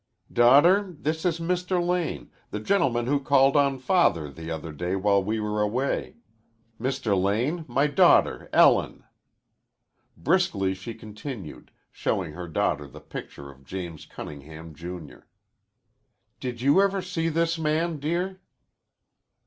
"Daughter, this is Mr. Lane, the gentleman who called on Father the other day while we were away. Mr. Lane, my daughter Ellen." Briskly she continued, showing her daughter the picture of James Cunningham, Junior. "Did you ever see this man, dear?"